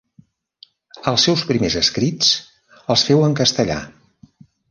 Els seus primers escrits, els feu en castellà.